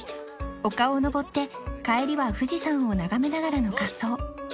丘を登って帰りは富士山を眺めながらの滑走